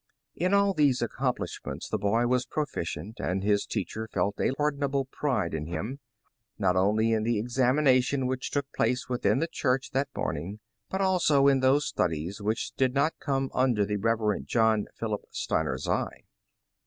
'' In all these accomplishments the boy was proficient, and his teach er felt a pardonable pride in him, not only in the ex amination which took place within the church that morning, but also in those studies which did not come under the Rev. John Philip Steiner's eye.